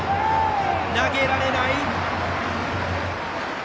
投げられない。